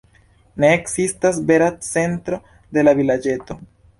Ne ekzistas vera centro de la vilaĝeto.